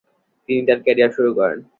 তিনি তার ক্যারিয়ার শুরু করেন।